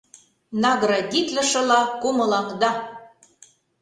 «Наградитлышыла кумылаҥда!»